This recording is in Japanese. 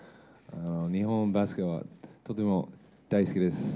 日本のバスケは、とても大好きです。